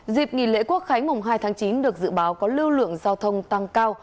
dịp nghỉ lễ quốc khánh mùng hai tháng chín được dự báo có lưu lượng giao thông tăng cao